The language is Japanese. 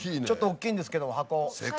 ちょっとおっきいんですけど箱。